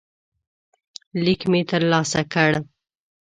لیک مې ترلاسه کړ.